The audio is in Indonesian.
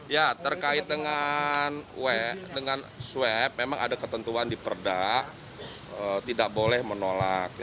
ya terkait dengan swab memang ada ketentuan di perda tidak boleh menolak